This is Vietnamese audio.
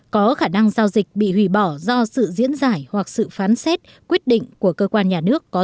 có khả năng giao dịch bị hủy bỏ do sự diễn giải hoặc sự phán xét quyết định của cơ quan nhà nước có